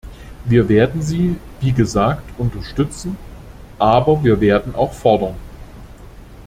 Wir werden sie wie gesagt unterstützen, aber wir werden auch fordern!